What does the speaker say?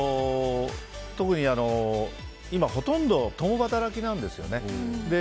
特に今ほとんど共働きなんですよね。